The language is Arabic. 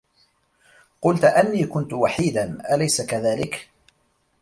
قلت أني كنت وحيدا، أليس كذلك؟